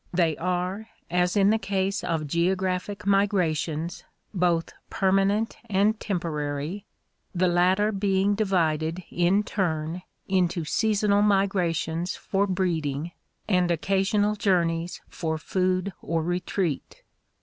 They are, as in the case of geographic migrations, both permanent and temporary, the latter being di vided in turn into seasonal migrations for breeding and occasional journeys for food or retreat.